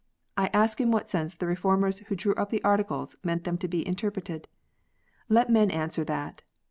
I ask in what sense the Reformers who drew up the Articles meant them to be interpreted 1 Let men answer that.